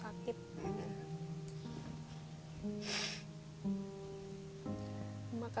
gak apa apa teh